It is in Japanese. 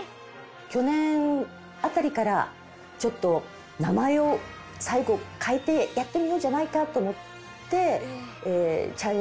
去年辺りからちょっと名前を最後変えてやってみようじゃないかと思って。